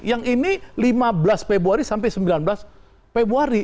yang ini lima belas februari sampai sembilan belas februari